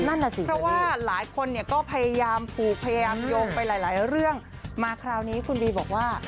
นั่นน่ะสิเพราะว่าหลายคนเนี่ยก็พยายามผูกพยายามโยงไปหลายหลายเรื่องมาคราวนี้คุณบีบอกว่า